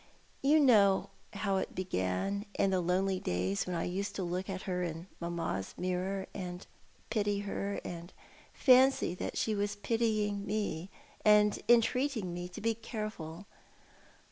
You know how it began, in the lonely days when I used to look at her in mamma's mirror, and pity her, and fancy that she was pitying me and entreating me to be careful.